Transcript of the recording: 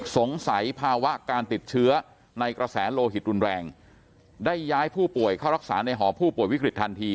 สภาวะการติดเชื้อในกระแสโลหิตรุนแรงได้ย้ายผู้ป่วยเข้ารักษาในหอผู้ป่วยวิกฤตทันที